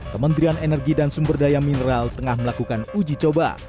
kementerian energi dan sumber daya mineral tengah melakukan uji coba